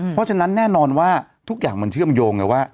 เพราะฉะนั้นแน่นอนว่าทุกอย่างมันเชื่อมโยงไงว่า